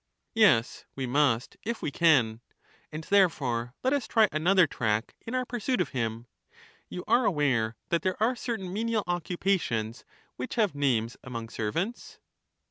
Yes, we must, if we can. And therefore let us try Another another track in our pursuit of him : You are aware that H?^^ .,. t .,, There arc there are certain menial occupations which have names arts of di among servants